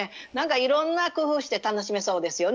いろんな工夫して楽しめそうですよね。